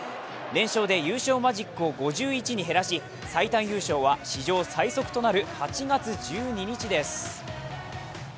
連勝で優勝マジックを５１に減らし、最短優勝は史上最速となる８月１２日です。